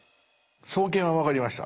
創建は分かりました。